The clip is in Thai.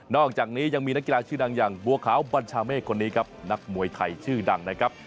อกจากนี้ยังมีนักกีฬาชื่อดังอย่างบัวขาวบัญชาเมฆคนนี้ครับนักมวยไทยชื่อดังนะครับ